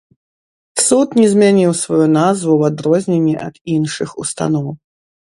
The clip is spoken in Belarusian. Суд не змяніў сваю назву ў адрозненні ад іншых устаноў.